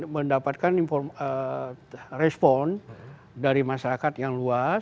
mendapatkan respon dari masyarakat yang luas